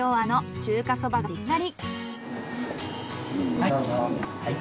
はい。